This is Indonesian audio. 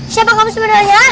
siapa kamu sebenarnya